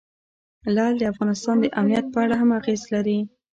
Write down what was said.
لعل د افغانستان د امنیت په اړه هم اغېز لري.